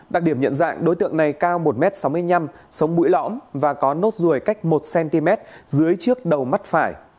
đặc điểm nhận dạng đối tượng này cao một m sáu mươi năm sống mũi lõm và có nốt ruồi cách một cm dưới trước đầu mắt phải